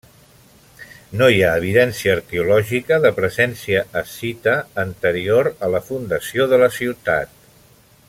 No hi ha evidència arqueològica de presència escita anterior a la fundació de la ciutat.